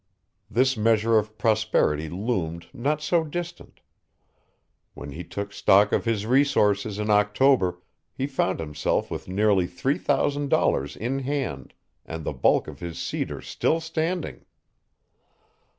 This measure of prosperity loomed not so distant. When he took stock of his resources in October, he found himself with nearly three thousand dollars in hand and the bulk of his cedar still standing.